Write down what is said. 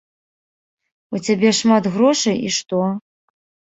У цябе шмат грошай, і што?